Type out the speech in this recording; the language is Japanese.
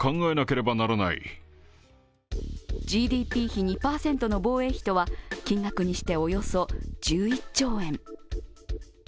ＧＤＰ比２％の防衛費とは金額にしておよそ１１兆円。